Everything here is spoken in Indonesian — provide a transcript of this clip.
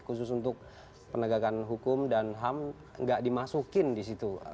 khusus untuk penegakan hukum dan ham nggak dimasukin di situ